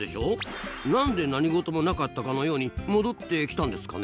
何で何事もなかったかのように戻ってきたんですかね？